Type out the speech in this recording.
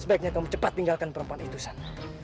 sebaiknya kamu cepat tinggalkan perempuan itu sana